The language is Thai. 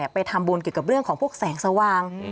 ไปทำบุญเกี่ยวกับเรื่องของพวกแสงสว่าง